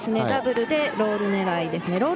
ダブルでロール狙いですね。